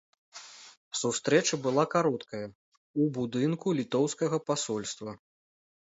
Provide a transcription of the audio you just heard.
Сустрэча была кароткая, у будынку літоўскага пасольства.